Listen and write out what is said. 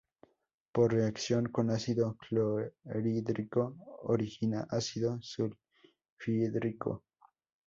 Por reacción con ácido clorhídrico origina ácido sulfhídrico.